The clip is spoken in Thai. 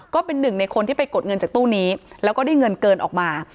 ก็เป็นหนึ่งในคนที่ไปกดเงินจากตู้นี้แล้วก็ได้เงินเกินออกมา